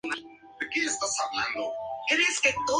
La tarta helada puede emplearse en cumpleaños e incluso en bodas.